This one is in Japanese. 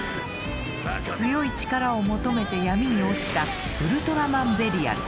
強い力を求めて闇に落ちたウルトラマンベリアル。